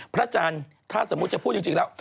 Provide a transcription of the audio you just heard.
พระจันทร์ถ้าสมมุติจะพูดจริงแล้ว